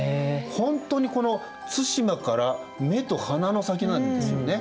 ほんとにこの対馬から目と鼻の先なんですよね。